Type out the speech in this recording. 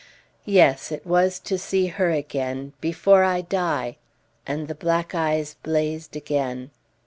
"Yes! It was to see her again before I die!" And the black eyes blazed again.